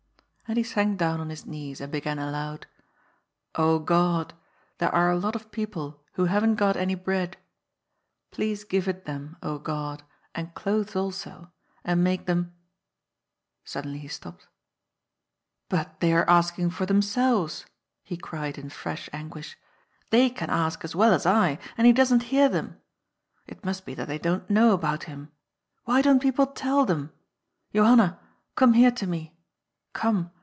And he sank down on his knees and began aloud :'^ Ood, there are a lot of people who haven't got any bread. Please give it them, Ood, and clothes also, and make them " suddenly he stopped. " But they are asking for themselves," he cried in fresh anguish. ^^ They can ask as well as I ; and he doesn't hear them. It must be that they don't know about him; why don't people tell them? Johanna, come here to me. Come